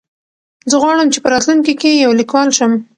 زه غواړم چې په راتلونکي کې یو لیکوال شم.